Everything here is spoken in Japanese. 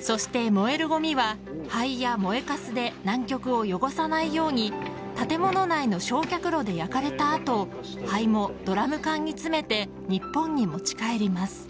そして燃えるごみは灰や燃えかすで南極を汚さないように建物内の焼却炉で焼かれた後灰もドラム缶に詰めて日本に持ち帰ります。